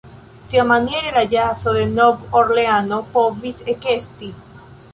Tiamaniere la ĵazo de Nov-Orleano povis ekesti.